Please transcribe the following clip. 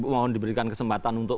mohon diberikan kesempatan untuk